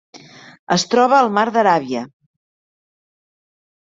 Es troba al Mar d'Aràbia: